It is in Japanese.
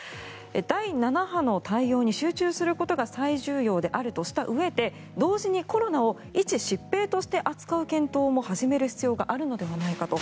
第７波の対応に集中することが最重要であるとしたうえで同時にコロナを一疾病として扱う検討も始める必要があるのではないかと。